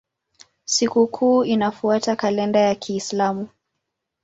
Sikukuu inafuata kalenda ya Kiislamu.